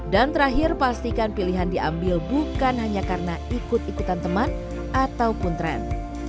dan terakhir pastikan pilihan diambil bukan hanya karena ikut ikutan teman ataupun tren